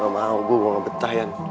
mau gue mau betah ya